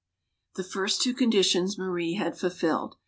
The first two conditions, Marie had fulfilled.